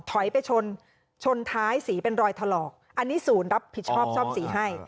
ถอยไปชนชนท้ายสีเป็นรอยถลอกอันนี้ศูนย์รับผิดชอบซ่อมสีให้